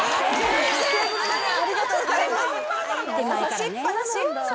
ありがとうございます。